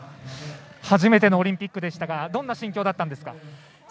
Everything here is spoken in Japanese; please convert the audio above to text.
初めてのオリンピックでしたがどんな心境だったんですか？